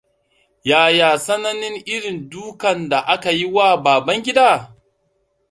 Yaya tsananin irin dukan da aka yiwa Babangida?